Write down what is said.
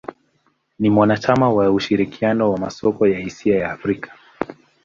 Ni mwanachama wa ushirikiano wa masoko ya hisa ya Afrika.